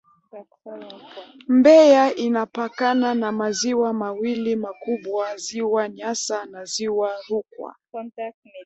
Mbeya inapakana na maziwa mawili makubwa Ziwa Nyasa na Ziwa Rukwa